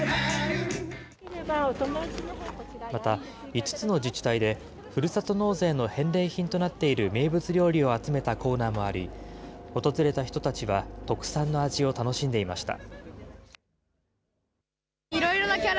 また５つの自治体で、ふるさと納税の返礼品となっている名物料理を集めたコーナーもあり、訪れた人たちは特産の味を楽しんでいました。